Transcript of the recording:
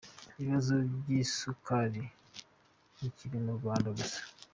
Ikibazo cy’isukari ntikiri mu Rwanda gusa.